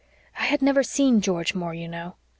I had never seen George Moore, you know.